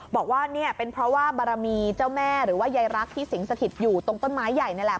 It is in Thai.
บอกว่าเนี่ยเป็นเพราะว่าบารมีเจ้าแม่หรือว่ายายรักที่สิงสถิตอยู่ตรงต้นไม้ใหญ่นี่แหละ